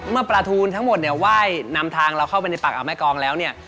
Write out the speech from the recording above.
เมื่อปลาทูลทั้งหมดเนี่ยไหว้นำทางเราเข้าไปในปากเอาแม่กองแล้วเนี่ย